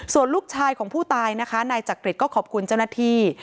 ส่วนลูกชายของผู้ตายนะคะนายจักริตก็ขอบคุณเจ้าหน้าที่